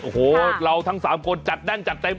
โอ้โหเราทั้ง๓คนจัดแน่นจัดเต็ม